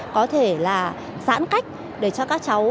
có thể là giãn cách để cho các cháu